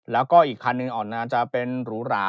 แล้วก็อีกคันหนึ่งอ่อนนานจะเป็นหรูหรา